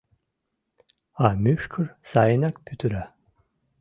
А мӱшкыр сайынак пӱтыра.